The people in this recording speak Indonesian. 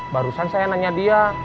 barusan saya nanya dia